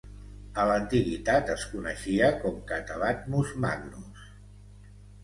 A l'antiguitat es coneixia com Catabathmus Magnus.